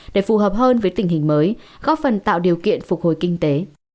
để phù hợp hơn với tình hình mới góp phần tạo điều kiện phục hồi kinh tế